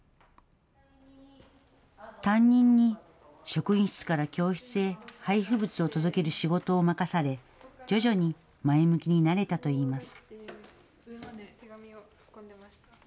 担任に、職員室から教室へ配布物を届ける仕事を任され、徐々に前向きになれたといいます。